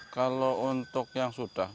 kalau untuk yang sudah